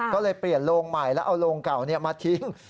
ก็เลยเปลี่ยนโลงใหม่แล้วเอาโรงเก่ามาทิ้ง